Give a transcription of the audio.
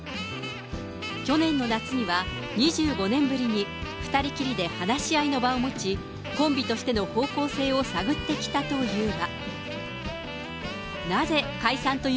去年の夏には２５年ぶりに２人きりで話し合いの場を持ち、コンビとしての方向性を探ってきたというが。